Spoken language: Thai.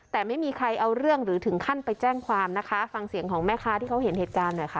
แต่ไม่มีใครเอาเรื่องหรือถึงขั้นไปแจ้งความนะคะฟังเสียงของแม่ค้าที่เขาเห็นเหตุการณ์หน่อยค่ะ